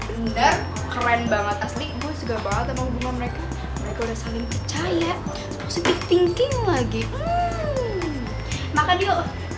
bener keren banget asli gue suka banget sama bunga mereka mereka udah saling percaya positif thinking lagi makan yuk